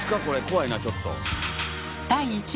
怖いなちょっと。